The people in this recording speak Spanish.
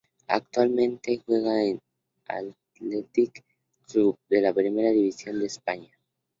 Actualmente juega en el Athletic Club de la Primera División de España.